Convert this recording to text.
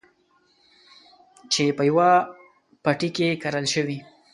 چې په يوه پټي کې کرل شوي.